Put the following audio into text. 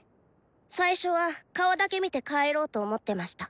最初は顔だけ見て帰ろうと思ってました。